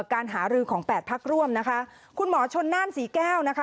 การหารือของแปดพักร่วมนะคะคุณหมอชนน่านศรีแก้วนะคะ